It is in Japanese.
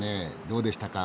どうでしたか？